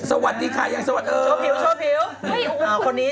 สวัสดีค่ะยังสวัสดี